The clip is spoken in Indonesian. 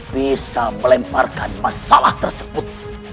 bisa melemparkan masalah tersebut